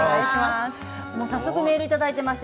早速メールをいただいています。